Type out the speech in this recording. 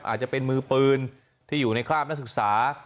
อาจจะเป็นมือปืนที่อยู่ในคราบนักศึกษา